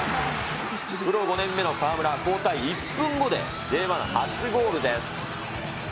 プロ５年目の川村、交代１分後でＪ１初ゴールです。